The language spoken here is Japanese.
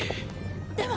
でも。